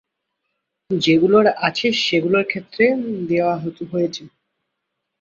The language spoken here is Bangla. যেগুলোর আছে সেগুলোর ক্ষেত্রে দেয়া হয়েছে।